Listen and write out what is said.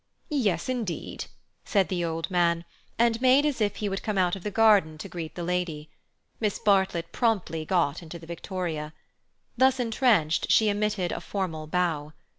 "Yes, indeed!" said the old man, and made as if he would come out of the garden to meet the lady. Miss Bartlett promptly got into the victoria. Thus entrenched, she emitted a formal bow.